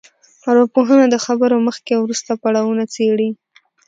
ارواپوهنه د خبرو مخکې او وروسته پړاوونه څېړي